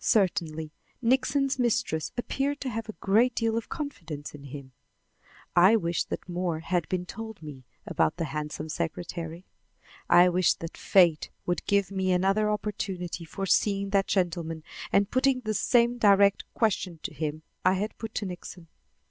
Certainly, Nixon's mistress appeared to have a great deal of confidence in him. I wished that more had been told me about the handsome secretary. I wished that fate would give me another opportunity for seeing that gentleman and putting the same direct question to him I had put to Nixon.